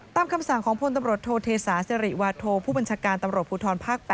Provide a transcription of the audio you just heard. คำสั่งของพลตำรวจโทเทศาสิริวาโทผู้บัญชาการตำรวจภูทรภาค๘